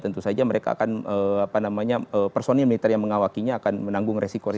tentu saja mereka akan apa namanya personil militer yang mengawakinya akan menanggung resiko resiko